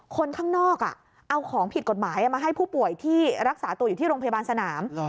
คนข้างนอกเอาของผิดกฎหมายมาให้ผู้ป่วยที่รักษาตัวอยู่ที่โรงพยาบาลสนาม